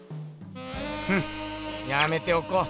フッやめておこう。